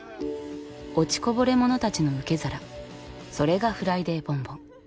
落ちこぼれ者たちの受け皿それが「フライデーボンボン」。